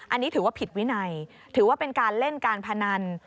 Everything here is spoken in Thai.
อันนี้ถือว่าผิดวินัยถือว่าเป็นการเล่นการพนัน